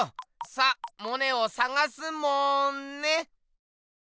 さモネをさがすモんネ！